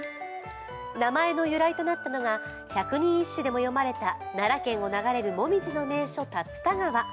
名前の由来となったのが百人一首でも詠まれた奈良県を流れる紅葉の名所竜田川。